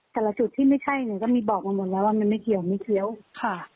แต่ละจุดที่ไม่ใช่เนี่ยก็มีบอกมาหมดแล้วว่ามันไม่เกี่ยวไม่เคี้ยวค่ะ